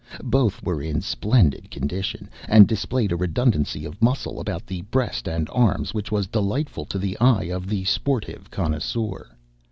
Both were in splendid condition, and displayed a redundancy of muscle about the breast and arms which was delightful to the eye of the sportive connoisseur.